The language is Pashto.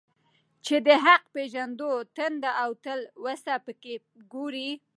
چي د حق پېژندو تنده او تلوسه په كي گورې.